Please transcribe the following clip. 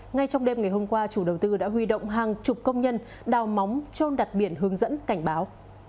ngay trong đêm ngày hôm qua chủ đầu tư đã huy động hàng chục công nhân đào móng trôn đặt biển hướng dẫn cảnh báo